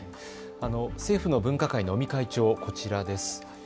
政府の分科会の尾身会長、こちらです。